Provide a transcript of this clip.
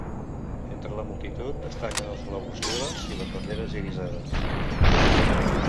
Entre la multitud destaquen els globus liles i les banderes irisades.